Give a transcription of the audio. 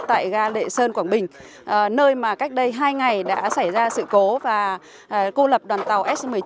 tại ga đệ sơn quảng bình nơi mà cách đây hai ngày đã xảy ra sự cố và cô lập đoàn tàu s một mươi chín